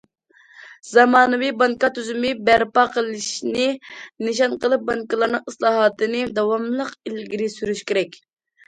زامانىۋى بانكا تۈزۈمى بەرپا قىلىشنى نىشان قىلىپ، بانكىلارنىڭ ئىسلاھاتىنى داۋاملىق ئىلگىرى سۈرۈش كېرەك.